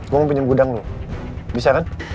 gue mau pinjam gudang loh bisa kan